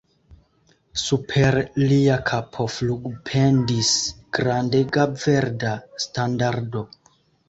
Super lia kapo flugpendis grandega verda standardo!